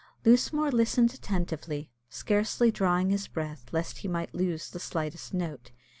Lusmore listened attentively, scarcely drawing his breath lest he might lose the slightest note.